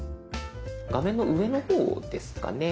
画面の上の方ですかね。